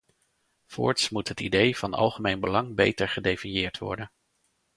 Voorts moet het idee van algemeen belang beter gedefinieerd worden.